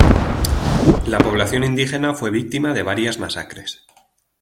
La población indígena fue víctima de varias masacres.